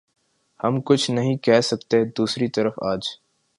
ہم کچھ نہیں کہہ سکتے دوسری طرف آج